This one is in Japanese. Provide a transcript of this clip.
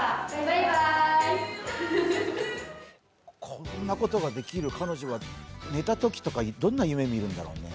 こんなことができる彼女が寝たときとかどんな夢見るんだろうね。